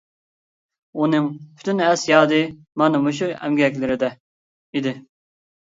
ئۇنىڭ پۈتۈن ئەس-يادى مانا مۇشۇ ئەمگەكلىرىدە ئىدى.